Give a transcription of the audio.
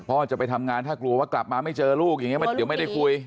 พ่อจะไปทำงานถ้ากลัวว่ากลับมาไม่เจอลูกอย่างนี้เดี๋ยวไม่ได้คุย